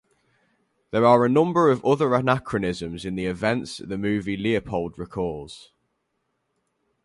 There are a number of other anachronisms in the events the movie Leopold recalls.